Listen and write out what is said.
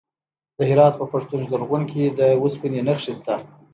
د هرات په پښتون زرغون کې د وسپنې نښې شته.